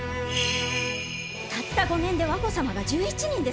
たった５年で和子様が１１人ですぞ！